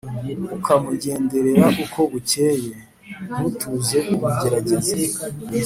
ukamugenderera uko bukeye, ntutuze kumugerageza’